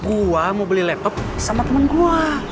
gua mau beli laptop sama temen gua